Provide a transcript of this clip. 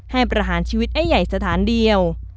ประหารชีวิตไอ้ใหญ่สถานเดียว